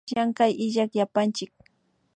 Llankay illak yapachik